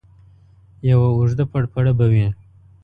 یوه اوږده پړپړه به وي.